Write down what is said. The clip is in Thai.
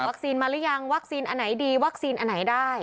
มาหรือยังวัคซีนอันไหนดีวัคซีนอันไหนได้